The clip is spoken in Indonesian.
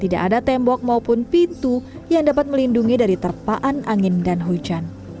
tidak ada tembok maupun pintu yang dapat melindungi dari terpaan angin dan hujan